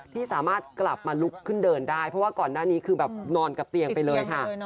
ที่สามารถกลับมาลุกขึ้นเดินได้เพราะว่าก่อนหน้านี้คือแบบนอนกับเตียงไปเลยค่ะ